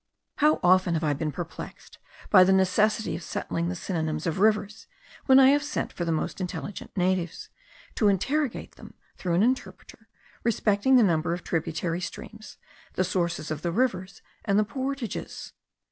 How often have I been perplexed by the necessity of settling the synonyms of rivers, when I have sent for the most intelligent natives, to interrogate them, through an interpreter, respecting the number of tributary streams, the sources of the rivers, and the portages.